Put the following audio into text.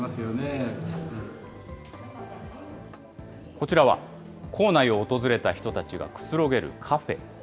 こちらは校内を訪れた人たちがくつろげるカフェ。